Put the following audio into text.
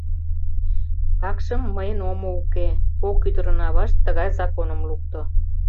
Такшым мыйын омо уке, кок ӱдырын авашт тыгай законым лукто.